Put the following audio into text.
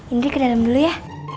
indi ke dalam dulu ya